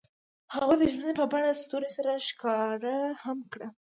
هغوی د ژمنې په بڼه ستوري سره ښکاره هم کړه.